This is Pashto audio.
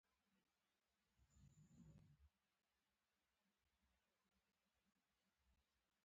یو ډز واورېد.